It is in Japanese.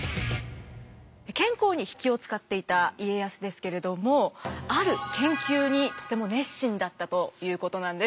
健康に気を遣っていた家康ですけれどもある研究にとても熱心だったということなんです。